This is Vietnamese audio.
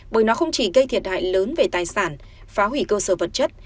bởi nó không chỉ gây thiệt hại lớn về tài sản phá hủy cơ sở vật chất